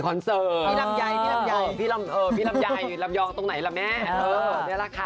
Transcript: คอนเซอร์พี่ลำยายลำยองตรงไหนละแม่นี่แหละค่ะ